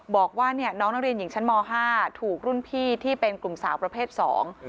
บอกว่าเนี่ยน้องนักเรียนหญิงชั้นมห้าถูกรุ่นพี่ที่เป็นกลุ่มสาวประเภทสอง